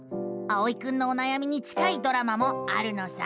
あおいくんのおなやみに近いドラマもあるのさ。